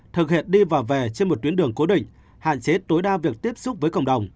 thực hiện đi và về trên một tuyến đường cố định hạn chế tối đa việc tiếp xúc với cộng đồng